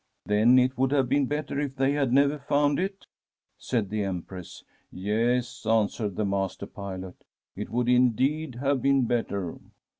*Then it would have been better if they had never found it ?' said the Empress. ' Yes,' answered the mas ter pilot, ' it would indeed have been better.'